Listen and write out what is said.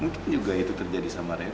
mungkin juga itu terjadi sama rea